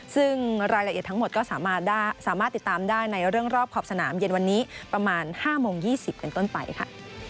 ซึ่งรายละเอียดทั้งหมดก็สามารถติดตามได้ในเรื่องรอบขอบสนามเย็นวันนี้ประมาณ๕โมง๒๐เป็นต้นไปค่ะ